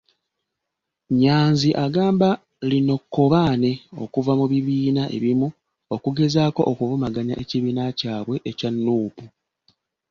Nyanzi agamba lino kkobaane okuva mu bibiina ebimu okugezaaako okuvumaganya ekibiina kyabwe ekya Nuupu.